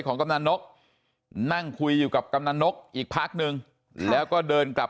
กำนันนกนั่งคุยอยู่กับกำนันนกอีกพักนึงแล้วก็เดินกลับ